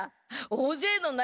おおぜいのな